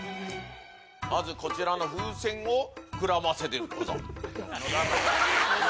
まずこちらの風船を膨らませるでござる。